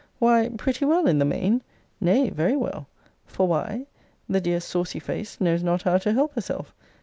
Why, pretty well in the main. Nay, very well. For why? the dear saucy face knows not how to help herself.